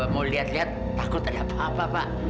mau lihat lihat takut ada apa apa pak